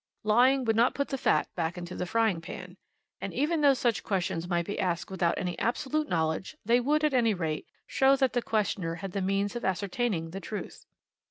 Lying would not put the fat back into the frying pan. And even though such questions might be asked without any absolute knowledge, they would, at any rate, show that the questioner had the means of ascertaining the truth.